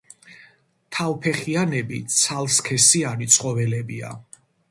თავფეხიანები ცალსქესიანი ცხოველებია.